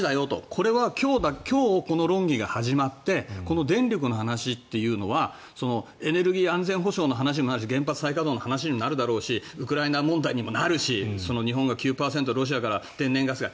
これは、今日論議が始まって電力の話というのはエネルギー安全保障の話にもなるし原発再稼働の話にもなるだろうしウクライナ問題にもなるし日本が９％ロシアから天然ガスが。